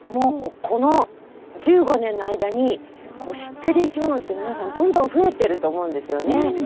この１５年の間に知ってる生きものって皆さんどんどん増えてると思うんですよね。